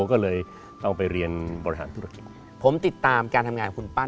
ก็เลยต้องไปเรียนบริหารธุรกิจผมติดตามการทำงานของคุณป้า